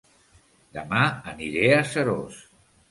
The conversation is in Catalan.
Dema aniré a Seròs